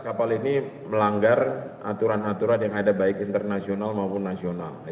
kapal ini melanggar aturan aturan yang ada baik internasional maupun nasional